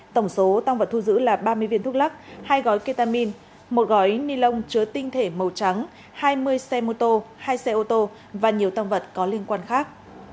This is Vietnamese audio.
tổng số tăng vật thu giữ là ba mươi viên thuốc lắc hai gói ketamin một gói ni lông chứa tinh thể màu trắng hai mươi xe mô tô hai xe ô tô và nhiều tăng vật có liên quan khác